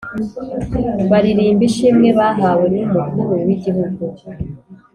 Baririmba ishimwe bahawe numukuru wigihugu